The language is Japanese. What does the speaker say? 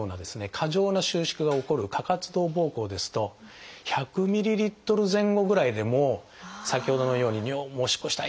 過剰な収縮が起こる過活動ぼうこうですと１００ｍＬ前後ぐらいでもう先ほどのようにもうおしっこしたい！